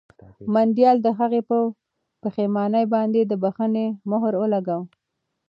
منډېلا د هغه په پښېمانۍ باندې د بښنې مهر ولګاوه.